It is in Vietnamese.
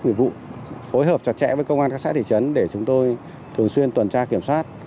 nghiệp vụ phối hợp chặt chẽ với công an các xã thị trấn để chúng tôi thường xuyên tuần tra kiểm soát